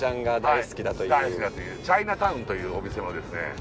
チャイナタウンというお店のですね